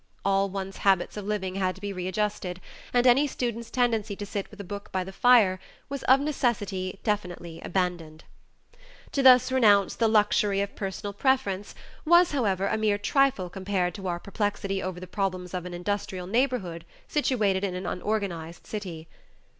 All one's habits of living had to be readjusted, and any student's tendency to sit with a book by the fire was of necessity definitely abandoned. To thus renounce "the luxury of personal preference" was, however, a mere trifle compared to our perplexity over the problems of an industrial neighborhood situated in an unorganized city.